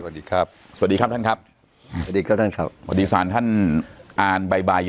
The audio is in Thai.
สวัสดีครับสวัสดีครับท่านครับสวัสดีครับท่านครับสวัสดีค่ะท่านครับ